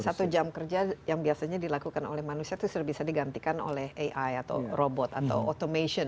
satu jam kerja yang biasanya dilakukan oleh manusia itu sudah bisa digantikan oleh ai atau robot atau automation